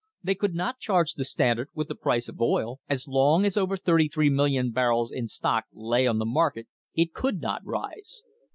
They could not charge the Stand ard with the price of oil. As long as over 33,000,000 barrels in stock lay on the market it could not rise.